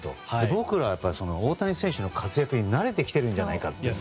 僕らは大谷選手の活躍に慣れてきてるんじゃないかと。